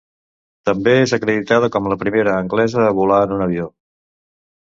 També és acreditada com la primera anglesa a volar en un avió.